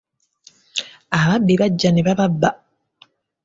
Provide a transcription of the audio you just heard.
Ababbi bajja ne bababba.